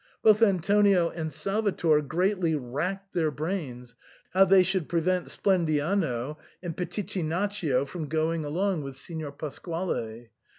Both Antonio and Salvator greatly racked their brains how they should prevent Splen diano and Pitichinaccio from going along with Signor Pasquale.